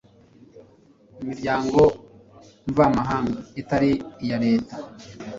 imiryango mvamahanga itari iya leta